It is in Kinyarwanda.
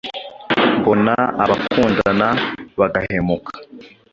Mbona abakundana bagahemuka